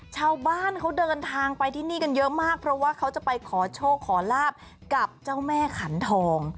ชาวบ้านเขาเดินทางไปที่นี่กันเยอะมากเพราะว่าเขาจะไปขอโชคขอลาบกับเจ้าแม่ขันทอง